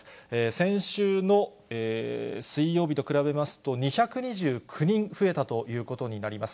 先週の水曜日と比べますと、２２９人増えたということになります。